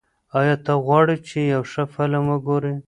ایا ته غواړې چې یو ښه فلم وګورې؟